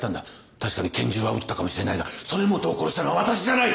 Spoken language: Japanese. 確かに拳銃は撃ったかもしれないが曽根本を殺したのは私じゃない！